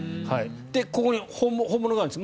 ここに本物があるんです。